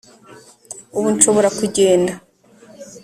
Ubu nshobora kugenda